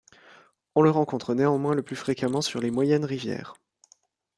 On le rencontre néanmoins le plus fréquemment sur les moyennes rivières.